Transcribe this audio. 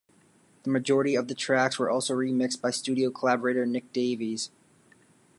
The majority of the tracks were also remixed by studio collaborator Nick Davis.